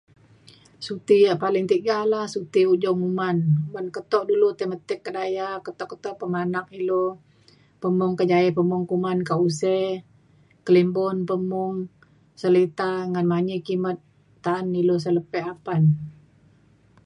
Suti yang paling tiga lah suti ujung uman ban keto ulu meti ka daya keto keto pemanak ilu pemung kajaie pemung kuman ka use kelibun pemung selita ngan manyi kimet taan ilu selepek apan.